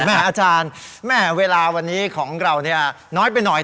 อาจารย์แม่เวลาวันนี้ของเราเนี่ยน้อยไปหน่อย